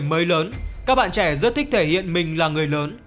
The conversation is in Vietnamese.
mới lớn các bạn trẻ rất thích thể hiện mình là người lớn